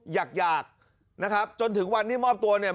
อยากอยากนะครับจนถึงวันที่มอบตัวเนี่ย